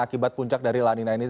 akibat puncak dari lanina ini